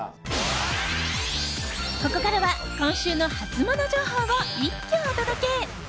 ここからは今週のハツモノ情報を一挙お届け。